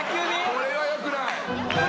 これはよくない。